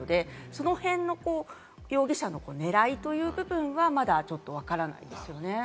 その辺の容疑者の狙いという部分は、まだちょっと分からないですよね。